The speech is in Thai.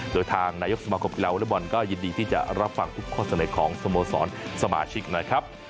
โดยทางนายกสมาคมกีฬาวอเล็กบอลก็ยินดีที่จะรับฟังทุกข้อเสนอของสโมสรสมาชิกนะครับ